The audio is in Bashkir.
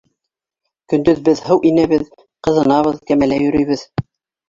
Көндөҙ беҙ һыу инәбеҙ, ҡыҙынабыҙ, кәмәлә йөрөйбөҙ.